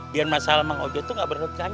biar masalah mang ojo itu ga berlanjut